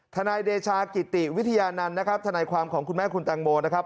ทนายเดชากิติวิทยานั้นทนายความของคุณแม่คุณตังโมนะครับ